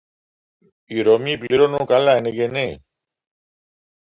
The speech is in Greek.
«Οι Ρωμιοί πληρώνουν καλά, είναι γενναίοι»